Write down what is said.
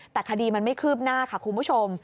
แต่คดีมันไม่คืบหน้าค่ะคุณผู้ชม